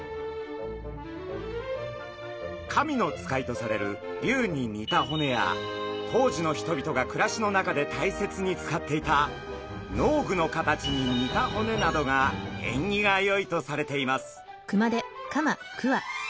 神の使いとされる龍に似た骨や当時の人々が暮らしの中で大切に使っていた農具の形に似た骨などが縁起がよいとされています。